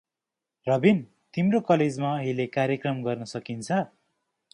रबिन, तिम्रो कलेजमा कहिले कार्यक्रम गर्न सकिन्छ?